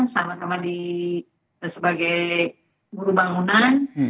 sama sama di sebagai guru bangunan